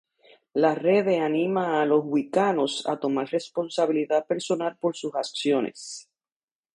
La Rede anima a los wiccanos a tomar responsabilidad personal por sus acciones.